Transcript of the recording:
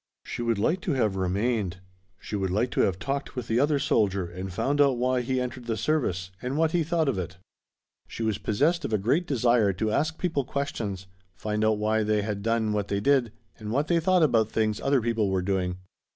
She would like to have remained; she would like to have talked with the other soldier and found out why he entered the service and what he thought of it. She was possessed of a great desire to ask people questions, find out why they had done what they did and what they thought about things other people were doing.